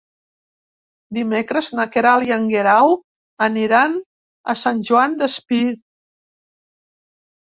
Dimecres na Queralt i en Guerau aniran a Sant Joan Despí.